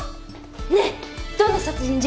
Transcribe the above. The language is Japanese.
ねえどんな殺人事件？